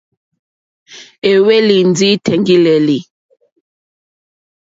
Éhwélì ndí tèŋɡí!lélí.